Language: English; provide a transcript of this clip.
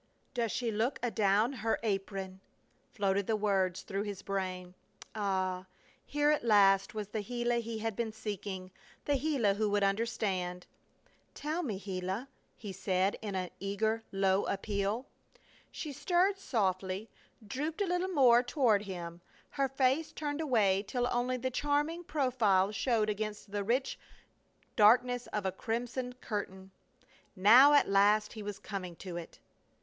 "Does she look adown her apron!" floated the words through his brain. Ah! Here at last was the Gila he had been seeking! The Gila who would understand! "Tell me, Gila!" he said, in an eager, low appeal. She stirred softly, drooped a little more toward him, her face turned away till only the charming profile showed against the rich darkness of a crimson curtain. Now at last he was coming to it!